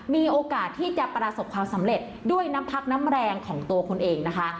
มีโอกาสที่จะประสบความสำเร็จด้วยน้ำพักน้ำแรงของตัวคุณเองนะคะ